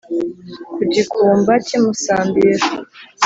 Ku Gikumba cy'i Musambira